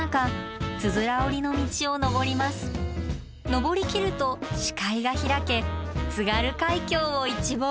登りきると視界が開け津軽海峡を一望！